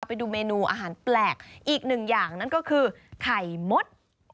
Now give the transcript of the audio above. ไปดูเมนูอาหารแปลกอีกหนึ่งอย่างนั่นก็คือไข่มด